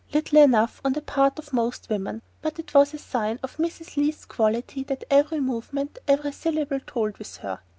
Little enough, on the part of most women; but it was a sign of Mrs. Leath's quality that every movement, every syllable, told with her.